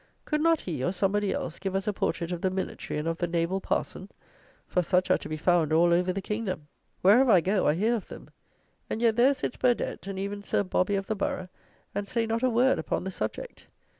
Could not he, or somebody else, give us a portrait of the military and of the naval parson? For such are to be found all over the kingdom. Wherever I go, I hear of them. And yet, there sits Burdett, and even Sir Bobby of the Borough, and say not a word upon the subject!